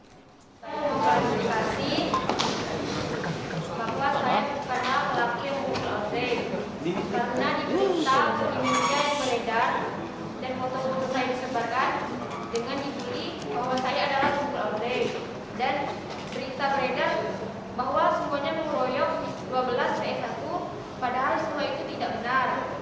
dengan nyikuri bahwa saya adalah suku audrey dan berita beredar bahwa semuanya meroyok dua belas dari satu padahal semua itu tidak benar